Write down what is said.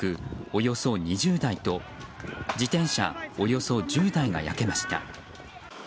およそ２０台と自転車およそ１０台が焼けました。